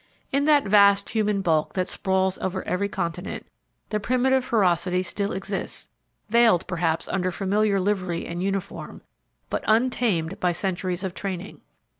In that vast human bulk that sprawls over every continent, the primitive ferocity still exists, veiled perhaps under familiar livery and uniform, but untamed by centuries of training.